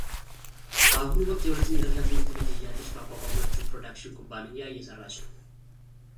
በአሁኑ ወቅት የሁለተኛ ደረጃ ትምህርት ቤት እያለች ባቋቋመችው ፕሮዳክሽን ኩባንያ እየሰራች ነው።